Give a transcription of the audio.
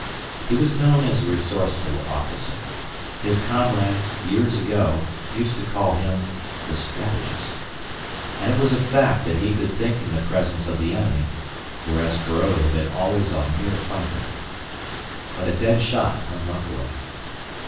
He was known as a resourceful officer. His comrades, years ago, used to call him "the strategist." And it was a fact that he could think in the presence of the enemy, whereas Feraud had been always a mere fighter. But a dead shot, unluckily.